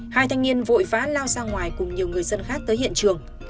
hai thanh niên vội vã lao ra ngoài cùng nhiều người dân khác tới hiện trường